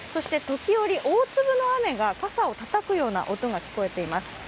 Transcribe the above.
時折、大粒の雨が傘をたたくような音が聞こえています。